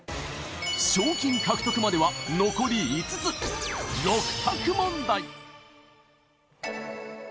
賞金獲得までは残り５つ６択問題